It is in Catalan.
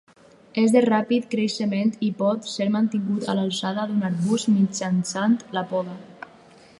És de ràpid creixement i pot ser mantingut a l'alçada d'un arbust mitjançant la poda.